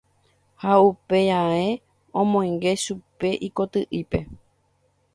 Ha upéi ae omoinge chupe ikoty'ípe.